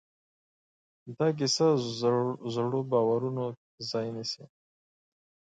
دا کیسه د زړو باورونو ځای نيسي.